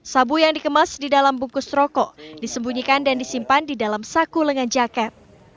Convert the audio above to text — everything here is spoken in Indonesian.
sabu yang dikemas di dalam bungkus rokok disembunyikan dan disimpan di dalam saku lengan jaket